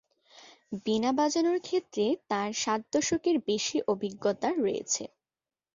বীণা বাজানোর ক্ষেত্রে তাঁর সাত দশকের বেশি অভিজ্ঞতা রয়েছে।